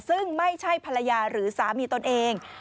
ซึ่งไม่ใช่ภรรยาหรือสามีตนเอง